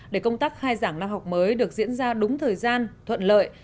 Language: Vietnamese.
để công tác khai giảng năm học mới được diễn ra đúng thời gian thuận lợi